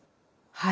はい。